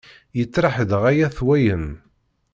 Yettraḥ-d ɣaya-t wayen!